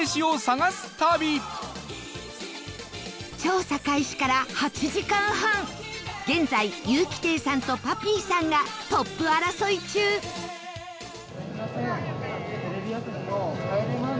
調査開始から８時間半現在、ゆうき亭さんとパピーさんがトップ争い中スタッフ：すみません。